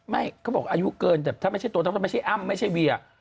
ไม่เขาบอกอายุเกินแบบถ้าไม่ใช่โตถ้าไม่ใช่อั้มไม่ใช่เวีย